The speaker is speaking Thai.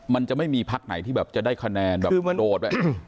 มันจะไม่มีพักไหนที่แบบจะได้คะแนนแบบโดดไป